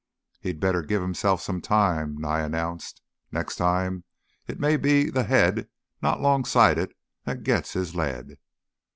"He'd better give himself some time," Nye announced. "Next time it may be in th' head, not 'longside it, that he gits his lead.